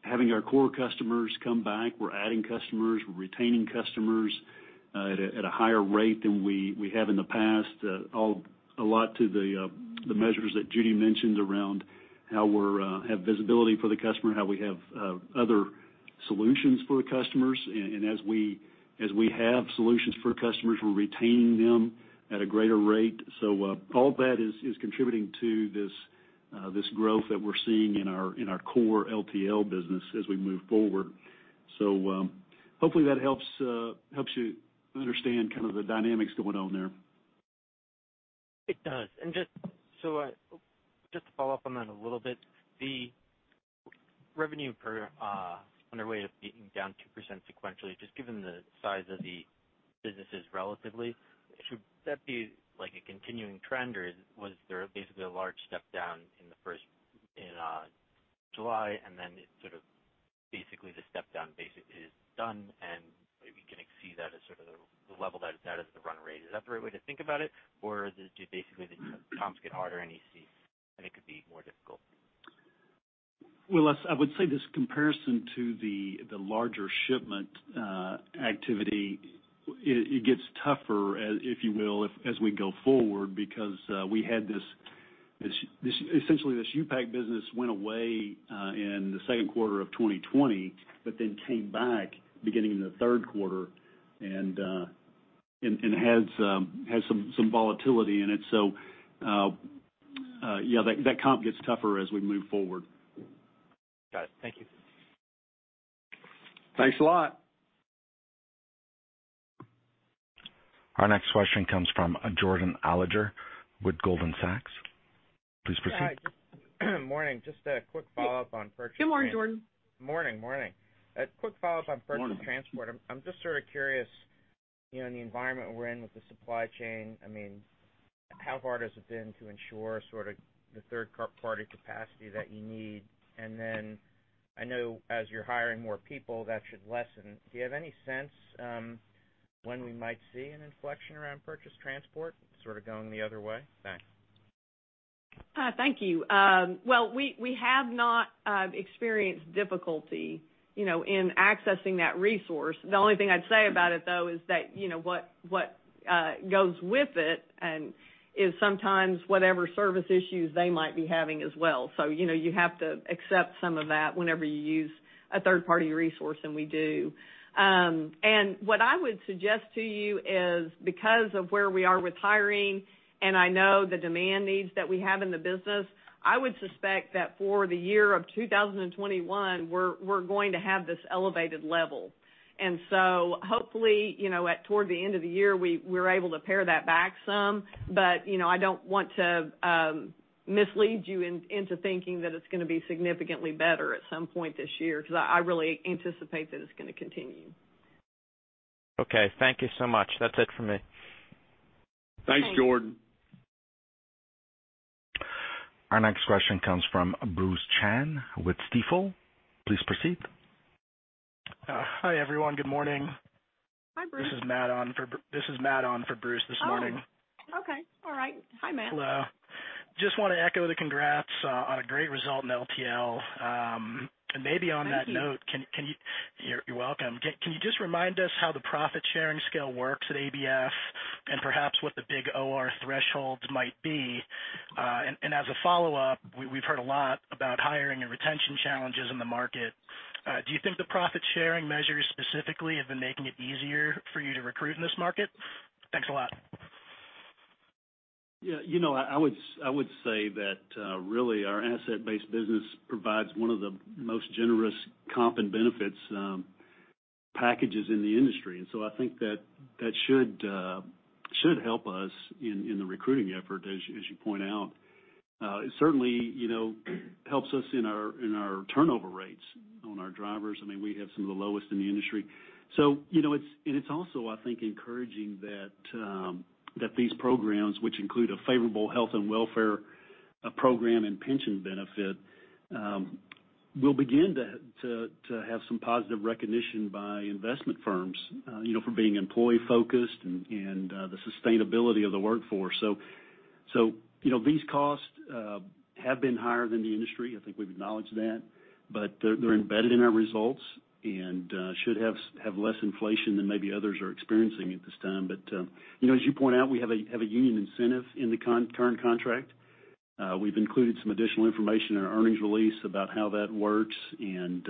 having our core customers come back. We're adding customers, we're retaining customers at a higher rate than we have in the past, all due to the measures that Judy mentioned around how we have visibility for the customer and how we have other solutions for the customers. And as we have solutions for customers, we're retaining them at a greater rate. So, all that is contributing to this growth that we're seeing in our core LTL business as we move forward. So, hopefully, that helps you understand kind of the dynamics going on there. It does. And just to follow up on that a little bit, the revenue per on their way to being down 2% sequentially, just given the size of the businesses relatively, should that be like a continuing trend, or was there basically a large step down in the first in July? And then it sort of, basically, the step down basically is done, and we can exceed that as sort of the, the level that is, that is the run rate. Is that the right way to think about it? Or did you basically, the comps get harder and you see, and it could be more difficult? Well, I would say this comparison to the larger shipment activity, it gets tougher, as if you will, if as we go forward, because we had essentially this U-Pack business went away in the second quarter of 2020, but then came back beginning in the third quarter and has some volatility in it. So, yeah, that comp gets tougher as we move forward. Got it. Thank you. Thanks a lot. Our next question comes from Jordan Alliger with Goldman Sachs. Please proceed. Hi. Morning. Just a quick follow-up on purchase- Good morning, Jordan. Morning, morning. A quick follow-up on purchased transportation. Morning. I'm just sort of curious, you know, in the environment we're in with the supply chain, I mean, how hard has it been to ensure sort of the third-party capacity that you need? And then I know as you're hiring more people, that should lessen. Do you have any sense, when we might see an inflection around purchased transportation sort of going the other way? Thanks. Thank you. Well, we have not experienced difficulty, you know, in accessing that resource. The only thing I'd say about it, though, is that, you know, goes with it and is sometimes whatever service issues they might be having as well. So, you know, you have to accept some of that whenever you use a third-party resource, and we do. What I would suggest to you is, because of where we are with hiring, and I know the demand needs that we have in the business, I would suspect that for the year of 2021, we're going to have this elevated level. So hopefully, you know, at toward the end of the year, we're able to pare that back some. You know, I don't want to mislead you into thinking that it's going to be significantly better at some point this year, because I really anticipate that it's going to continue. Okay, thank you so much. That's it for me. Thanks. Thanks, Jordan. Our next question comes from Bruce Chan with Stifel. Please proceed. Hi, everyone. Good morning. Hi, Bruce. This is Matt on for Bruce this morning. Oh, okay. All right. Hi, Matt. Hello. Just want to echo the congrats on a great result in LTL. And maybe on that note- Thank you. You're welcome. Can you just remind us how the profit sharing scale works at ABF, and perhaps what the big OR thresholds might be? And as a follow-up, we've heard a lot about hiring and retention challenges in the market. Do you think the profit-sharing measures specifically have been making it easier for you to recruit in this market? Thanks a lot. Yeah, you know, I would say that really our asset-based business provides one of the most generous comp and benefits packages in the industry. And so I think that should help us in the recruiting effort, as you point out. It certainly, you know, helps us in our turnover rates on our drivers. I mean, we have some of the lowest in the industry. So, you know, it's and it's also, I think, encouraging that these programs, which include a favorable health and welfare program and pension benefit, will begin to have some positive recognition by investment firms, you know, for being employee-focused and the sustainability of the workforce. So, you know, these costs have been higher than the industry. I think we've acknowledged that, but they're embedded in our results and should have less inflation than maybe others are experiencing at this time. But you know, as you point out, we have a union incentive in the current contract. We've included some additional information in our earnings release about how that works and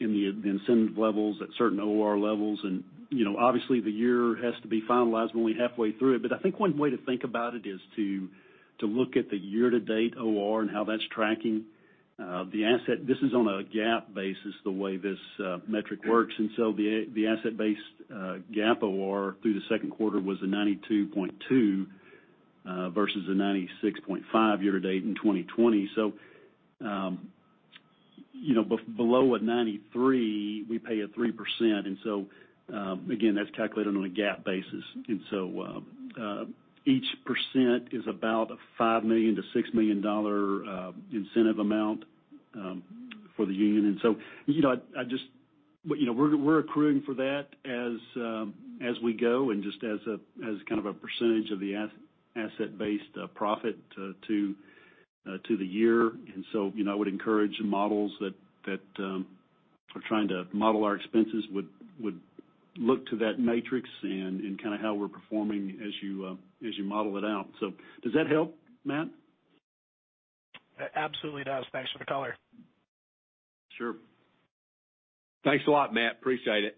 in the incentive levels at certain OR levels. And you know, obviously, the year has to be finalized only halfway through it. But I think one way to think about it is to look at the year-to-date OR and how that's tracking. This is on a GAAP basis, the way this metric works, and so the asset-based GAAP OR through the second quarter was 92.2 versus 96.5 year-to-date in 2020. So, you know, below a 93, we pay a 3%. And so, again, that's calculated on a GAAP basis. And so, each percent is about a $5 million-$6 million incentive amount for the union. And so, you know, I just... But, you know, we're accruing for that as we go and just as a kind of a percentage of the asset-based profit to the year. And so, you know, I would encourage the models that are trying to model our expenses would look to that matrix and kind of how we're performing as you model it out. So does that help, Matt? Absolutely does. Thanks for the color. Sure. Thanks a lot, Matt. Appreciate it.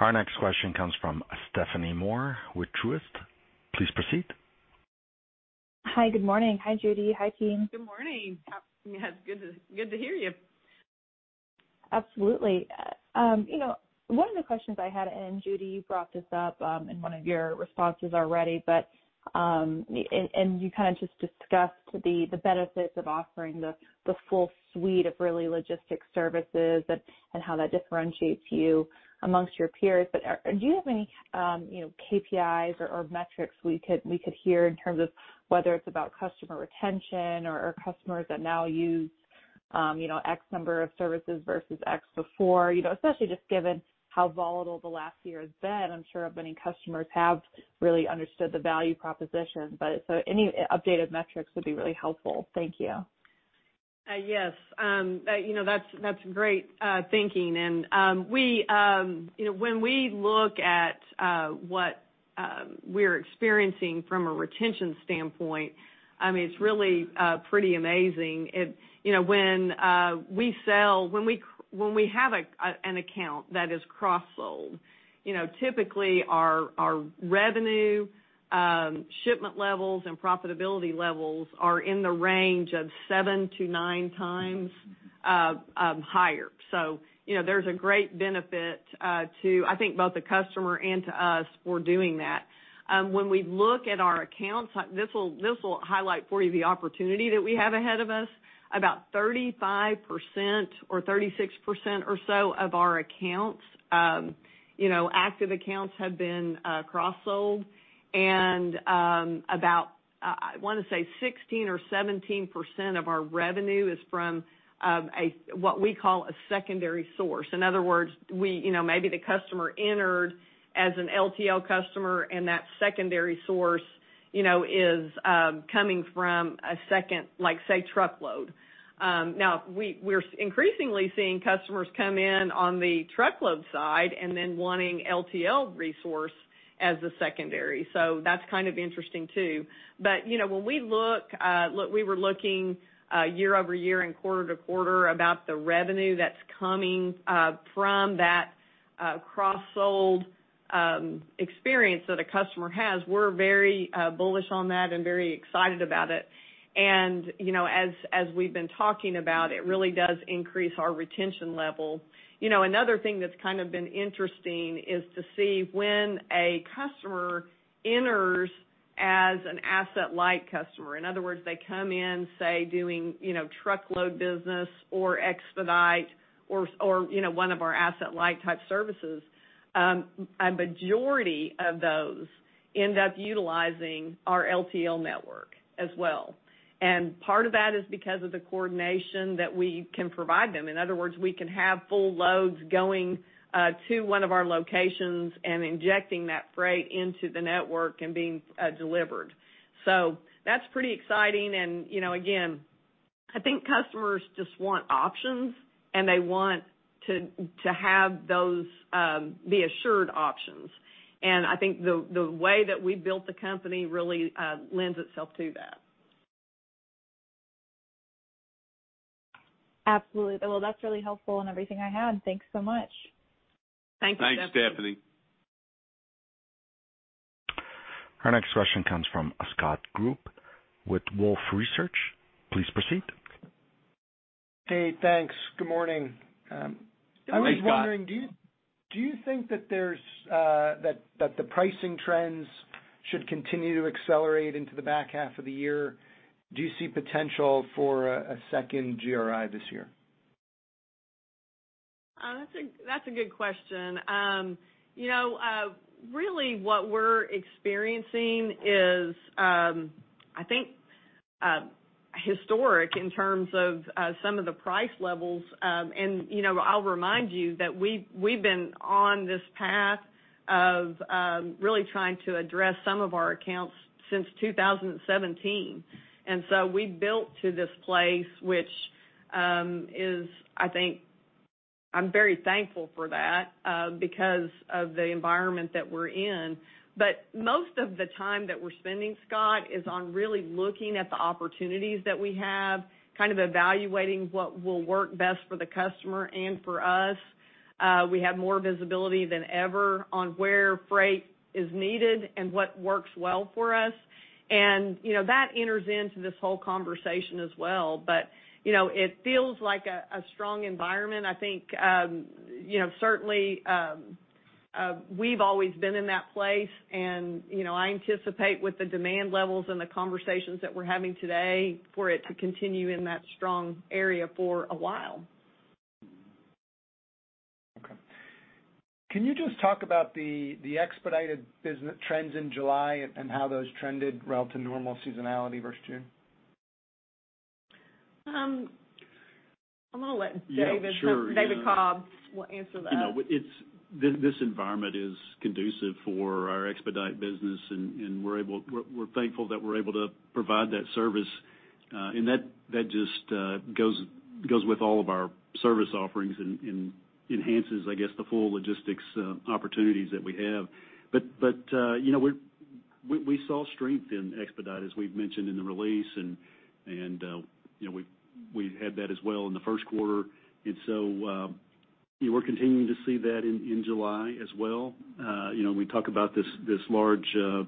Our next question comes from Stephanie Moore with Truist. Please proceed. Hi, good morning. Hi, Judy. Hi, team. Good morning. Yeah, it's good to, good to hear you. Absolutely. You know, one of the questions I had, and Judy, you brought this up in one of your responses already, but, and, and you kind of just discussed the, the benefits of offering the, the full suite of real logistics services and, and how that differentiates you among your peers. But, do you have any, you know, KPIs or, or metrics we could, we could hear in terms of whether it's about customer retention or, or customers that now use, you know, X number of services versus X before? You know, especially just given how volatile the last year has been, I'm sure many customers have really understood the value proposition, but so any updated metrics would be really helpful. Thank you. Yes. You know, that's great thinking. And we, you know, when we look at what we're experiencing from a retention standpoint, I mean, it's really pretty amazing. You know, when we have an account that is cross-sold, you know, typically our revenue, shipment levels, and profitability levels are in the range of 7-9 times higher. So, you know, there's a great benefit to, I think, both the customer and to us for doing that. When we look at our accounts, this will highlight for you the opportunity that we have ahead of us. About 35% or 36% or so of our accounts, you know, active accounts have been cross-sold. About, I wanna say 16% or 17% of our revenue is from a what we call a secondary source. In other words, we, you know, maybe the customer entered as an LTL customer, and that secondary source, you know, is coming from a second, like, say, truckload. Now we're increasingly seeing customers come in on the truckload side and then wanting LTL resource as the secondary. So that's kind of interesting, too. But, you know, when we were looking year-over-year and quarter-to-quarter about the revenue that's coming from that cross-sold experience that a customer has, we're very bullish on that and very excited about it. And, you know, as we've been talking about, it really does increase our retention level. You know, another thing that's kind of been interesting is to see when a customer enters as an asset-light customer. In other words, they come in, say, doing, you know, truckload business or expedite or, you know, one of our asset-light type services. A majority of those end up utilizing our LTL network as well. And part of that is because of the coordination that we can provide them. In other words, we can have full loads going to one of our locations and injecting that freight into the network and being delivered. So that's pretty exciting, and, you know, again, I think customers just want options, and they want to have those be assured options. And I think the way that we built the company really lends itself to that. Absolutely. Well, that's really helpful and everything I had. Thanks so much. Thank you, Stephanie. Our next question comes from Scott Group with Wolfe Research. Please proceed. Hey, thanks. Good morning. Hey, Scott. I was wondering, do you, do you think that the pricing trends should continue to accelerate into the back half of the year? Do you see potential for a second GRI this year? That's a good question. You know, really what we're experiencing is, I think, historic in terms of some of the price levels. And, you know, I'll remind you that we've been on this path of really trying to address some of our accounts since 2017. And so we built to this place, which is, I think, I'm very thankful for that because of the environment that we're in. But most of the time that we're spending, Scott, is on really looking at the opportunities that we have, kind of evaluating what will work best for the customer and for us. We have more visibility than ever on where freight is needed and what works well for us. And, you know, that enters into this whole conversation as well. But, you know, it feels like a strong environment. I think, you know, certainly, we've always been in that place, and, you know, I anticipate with the demand levels and the conversations that we're having today, for it to continue in that strong area for a while. Okay. Can you just talk about the expedited business trends in July and how those trended relative to normal seasonality versus June? I'm gonna let David- Yeah, sure. David Cobb will answer that. You know, it's this environment is conducive for our expedite business, and we're thankful that we're able to provide that service, and that just goes with all of our service offerings and enhances, I guess, the full logistics opportunities that we have. But you know, we saw strength in expedite, as we've mentioned in the release, and you know, we've had that as well in the first quarter. And so, we're continuing to see that in July as well. You know, we talk about this large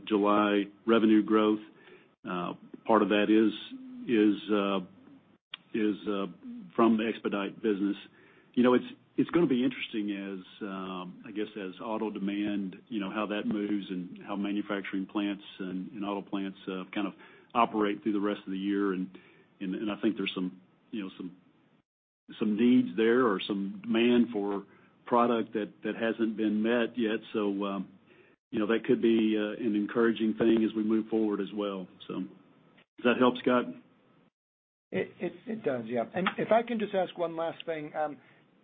July revenue growth. Part of that is from the expedite business. You know, it's gonna be interesting as I guess as auto demand, you know, how that moves and how manufacturing plants and auto plants kind of operate through the rest of the year. And I think there's some, you know, some needs there or some demand for product that hasn't been met yet. So, you know, that could be an encouraging thing as we move forward as well. So does that help, Scott? It does, yeah. And if I can just ask one last thing.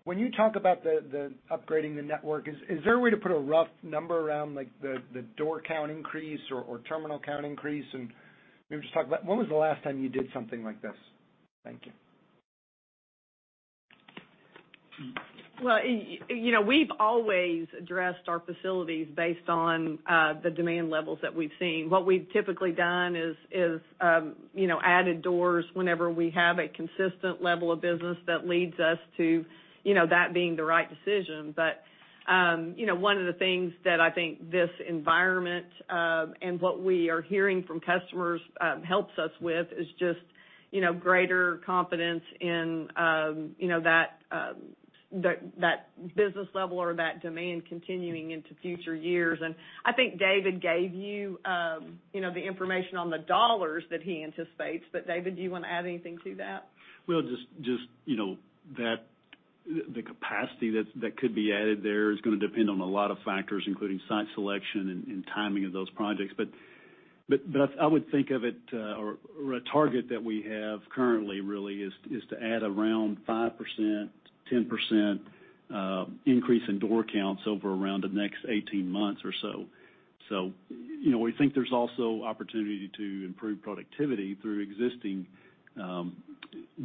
When you talk about upgrading the network, is there a way to put a rough number around, like, the door count increase or terminal count increase? And maybe just talk about when was the last time you did something like this? Thank you. Well, you know, we've always addressed our facilities based on, the demand levels that we've seen. What we've typically done is, you know, added doors whenever we have a consistent level of business that leads us to, you know, that being the right decision. But, you know, one of the things that I think this environment, and what we are hearing from customers, helps us with is just, you know, greater confidence in, you know, that, that business level or that demand continuing into future years. And I think David gave you, you know, the information on the dollars that he anticipates. But David, do you want to add anything to that? Well, just, you know, that the capacity that could be added there is gonna depend on a lot of factors, including site selection and timing of those projects. But I would think of it, or a target that we have currently really is to add around 5%-10% increase in door counts over around the next 18 months or so. So, you know, we think there's also opportunity to improve productivity through existing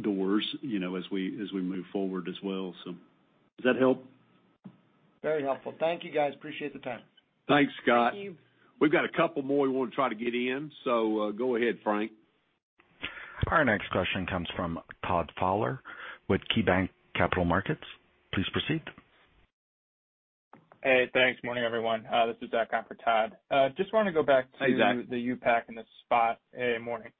doors, you know, as we move forward as well. So does that help? Very helpful. Thank you, guys. Appreciate the time. Thanks, Scott. Thank you. We've got a couple more we want to try to get in, so, go ahead, Frank. Our next question comes from Todd Fowler with KeyBanc Capital Markets. Please proceed. Hey, thanks. Morning, everyone. This is Zach on for Todd. Just want to go back to- Hi, Zach. - the U-Pack and the spot. Hey, morning.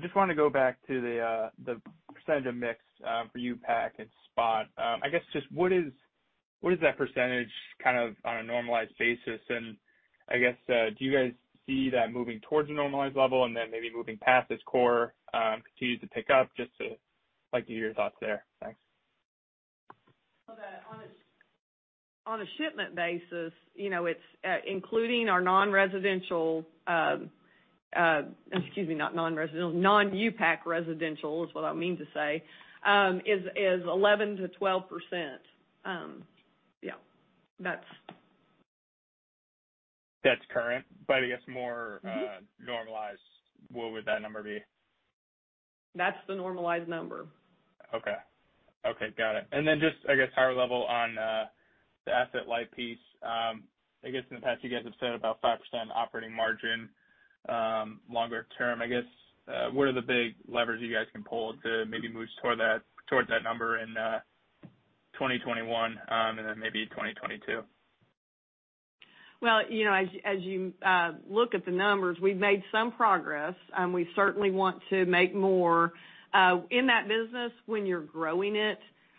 Just want to go back to the, the percentage of mix for U-Pack and spot. I guess just what is, what is that percentage kind of on a normalized basis? And I guess, do you guys see that moving towards a normalized level and then maybe moving past as core continues to pick up? Just to—like to hear your thoughts there. Thanks. On a shipment basis, you know, it's including our non-residential, excuse me, not non-residential, non-U-Pack residential is what I mean to say, is 11%-12%. Yeah, that's... That's current, but I guess more- Mm-hmm... normalized, what would that number be? That's the normalized number. Okay. Okay, got it. And then just, I guess, higher level on, the Asset-Light piece. I guess, in the past, you guys have said about 5% operating margin. Longer term, I guess, what are the big levers you guys can pull to maybe move toward that, towards that number in, 2021, and then maybe 2022? Well, you know, as you look at the numbers, we've made some progress, and we certainly want to make more. In that business, when you're growing it,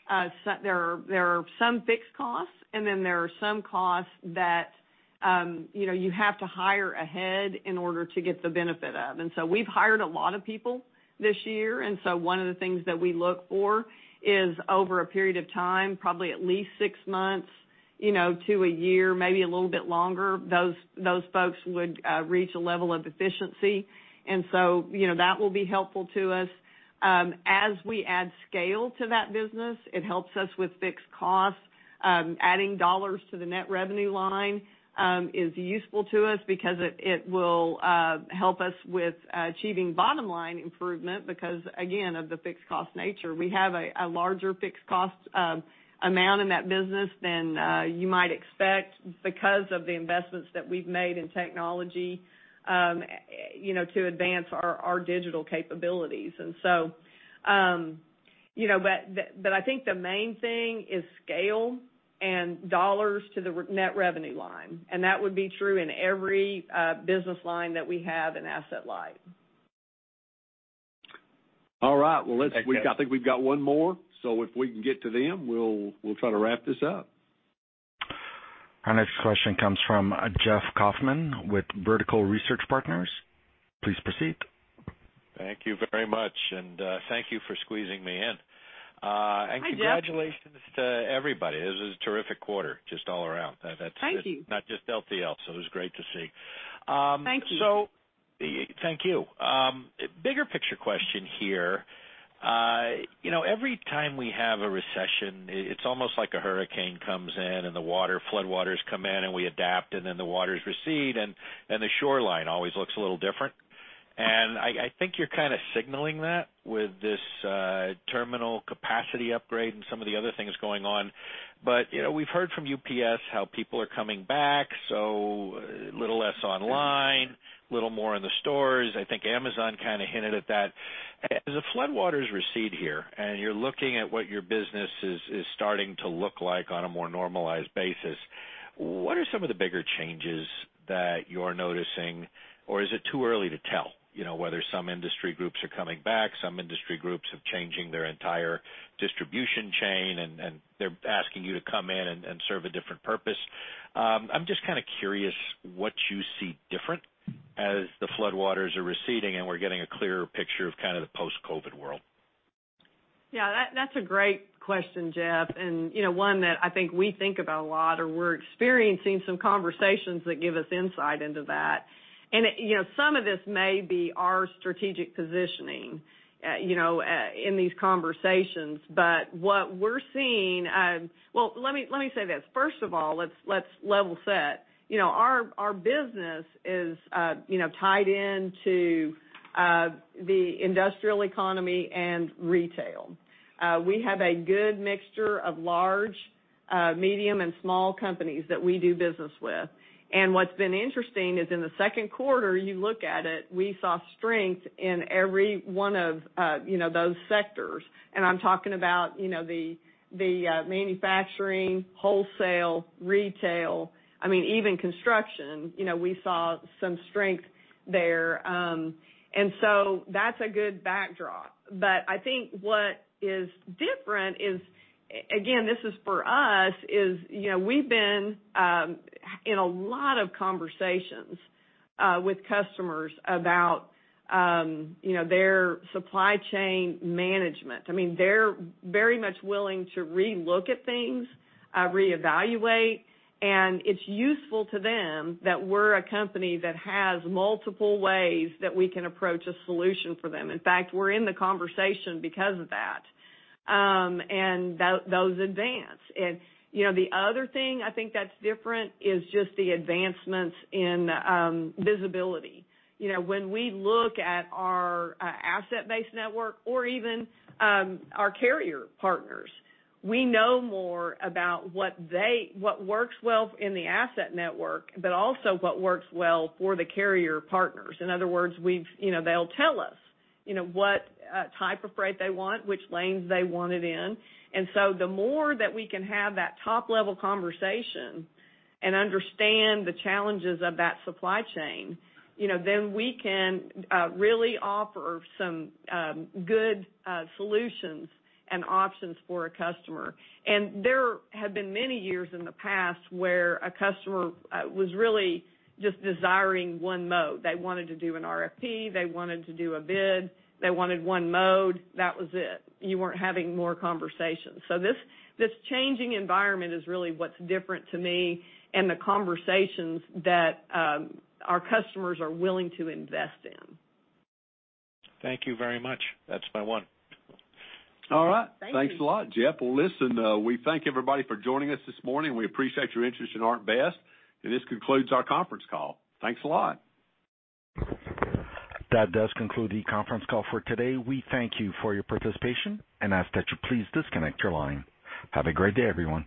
so there are some fixed costs, and then there are some costs that you know, you have to hire ahead in order to get the benefit of. And so we've hired a lot of people this year, and so one of the things that we look for is over a period of time, probably at least six months, you know, to a year, maybe a little bit longer, those folks would reach a level of efficiency. And so, you know, that will be helpful to us. As we add scale to that business, it helps us with fixed costs. Adding dollars to the net revenue line is useful to us because it, it will help us with achieving bottom line improvement because, again, of the fixed cost nature. We have a larger fixed cost amount in that business than you might expect because of the investments that we've made in technology, you know, to advance our digital capabilities. And so, you know, but I think the main thing is scale and dollars to the net revenue line, and that would be true in every business line that we have in Asset-Light. All right. Well, let's, I think we've got one more, so if we can get to them, we'll, we'll try to wrap this up. Our next question comes from Jeff Kauffman with Vertical Research Partners. Please proceed. Thank you very much, and thank you for squeezing me in. Hi, Jeff. Congratulations to everybody. This is a terrific quarter, just all around. That's- Thank you... not just LTL, so it was great to see. So- Thank you. Thank you. Bigger picture question here.... You know, every time we have a recession, it's almost like a hurricane comes in, and the floodwaters come in, and we adapt, and then the waters recede, and the shoreline always looks a little different. I think you're kind of signaling that with this terminal capacity upgrade and some of the other things going on. But, you know, we've heard from UPS how people are coming back, so a little less online, a little more in the stores. I think Amazon kind of hinted at that. As the floodwaters recede here, and you're looking at what your business is starting to look like on a more normalized basis, what are some of the bigger changes that you're noticing? Or is it too early to tell, you know, whether some industry groups are coming back, some industry groups are changing their entire distribution chain, and they're asking you to come in and serve a different purpose? I'm just kind of curious what you see different as the floodwaters are receding, and we're getting a clearer picture of kind of the post-COVID world. Yeah, that's a great question, Jeff, and, you know, one that I think we think about a lot, or we're experiencing some conversations that give us insight into that. And, you know, some of this may be our strategic positioning, you know, in these conversations. But what we're seeing... Well, let me, let me say this. First of all, let's level set. You know, our business is, you know, tied into, the industrial economy and retail. We have a good mixture of large, medium, and small companies that we do business with. And what's been interesting is in the second quarter, you look at it, we saw strength in every one of, you know, those sectors. And I'm talking about, you know, the, manufacturing, wholesale, retail, I mean, even construction, you know, we saw some strength there. So that's a good backdrop. But I think what is different is, again, this is for us, is, you know, we've been in a lot of conversations with customers about, you know, their supply chain management. I mean, they're very much willing to relook at things, reevaluate, and it's useful to them that we're a company that has multiple ways that we can approach a solution for them. In fact, we're in the conversation because of that, and those advances. You know, the other thing I think that's different is just the advancements in visibility. You know, when we look at our asset-based network or even our carrier partners, we know more about what works well in the asset network, but also what works well for the carrier partners. In other words, we've you know, they'll tell us, you know, what type of freight they want, which lanes they want it in. And so the more that we can have that top-level conversation and understand the challenges of that supply chain, you know, then we can really offer some good solutions and options for a customer. And there have been many years in the past where a customer was really just desiring one mode. They wanted to do an RFP, they wanted to do a bid, they wanted one mode, that was it. You weren't having more conversations. So this, this changing environment is really what's different to me and the conversations that our customers are willing to invest in. Thank you very much. That's my one. All right. Thank you. Thanks a lot, Jeff. Well, listen, we thank everybody for joining us this morning. We appreciate your interest in ArcBest, and this concludes our conference call. Thanks a lot. That does conclude the conference call for today. We thank you for your participation and ask that you please disconnect your line. Have a great day, everyone.